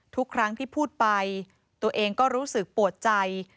ทุกครั้งที่พูดไปตัวเองก็รู้สึกปวดใจ